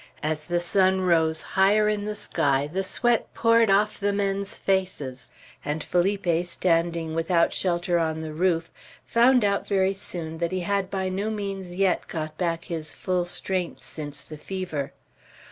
As the sun rose higher in the sky the sweat poured off the men's faces; and Felipe, standing without shelter on the roof, found out very soon that he had by no means yet got back his full strength since the fever.